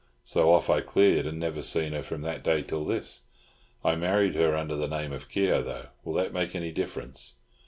So off I cleared, and I never seen her from that day till this. I married her under the name of Keogh, though. Will that make any difference?"